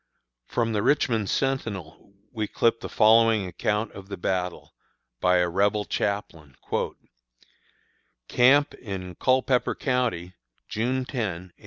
From the Richmond Sentinel we clip the following account of the battle, by a Rebel chaplain: CAMP IN CULPEPPER COUNTY, June 10, 1863.